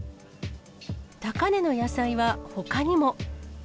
高値の野菜はほかにも。